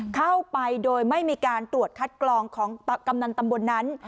เข้าไปโดยไม่มีการตรวจคัดกรองของกำนันตำบลนั้น